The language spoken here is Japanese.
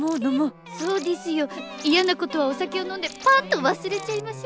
そうですよ嫌なことはお酒を飲んでパーッと忘れちゃいましょ。